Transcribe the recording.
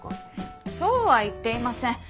そうは言っていません。